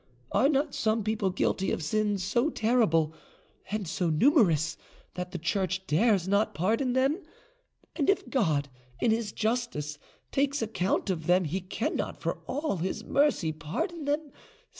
Are not some people guilty of sins so terrible and so numerous that the Church dares not pardon them, and if God, in His justice, takes account of them, He cannot for all His mercy pardon them?